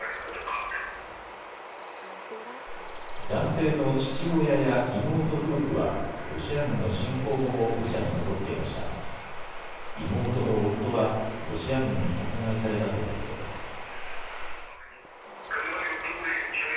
男性の父親や妹夫婦はロシア軍の侵攻後もブチャに残っていましたが妹の夫はロシア軍に殺害されたということです。